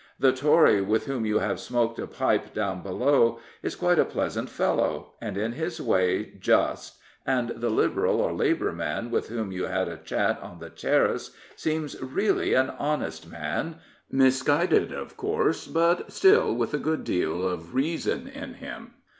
The Tory with whom you have smoked a pipe down below is quite a pleasant fellow and in his way just, and the Liberal or Labour man with whom you had a chat on the terrace seems really an honest man — ^misguided, of course, but still with a good deal of reason in him.